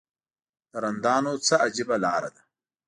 د رندانو څه عجیبه لاره ده.